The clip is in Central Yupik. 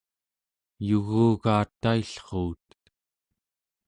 yugugaat taillruut